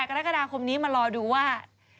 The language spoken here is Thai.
กรกฎาคมนี้มารอดูว่า